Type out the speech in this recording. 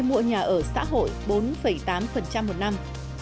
mua nhà ở xã hội bốn tám một năm